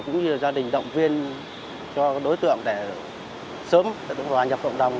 cũng như gia đình động viên cho đối tượng để sớm đồng hành vào cộng đồng